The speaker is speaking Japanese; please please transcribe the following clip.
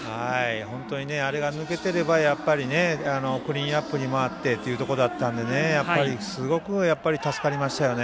本当にあれが抜けていればやっぱり、クリーンアップに回ってというところだったのですごく助かりましたよね